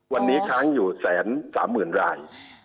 วันนี้ค้างอยู่แสนสามหมื่นราย